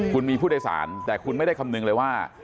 คุณมีผู้โดยสารแต่คุณไม่ได้คำนึงเลยว่า